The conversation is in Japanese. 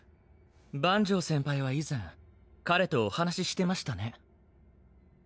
万縄先輩は以前彼とお話してましたね。